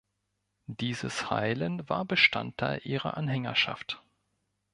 Dieses Heilen war Bestandteil ihrer Anhängerschaft.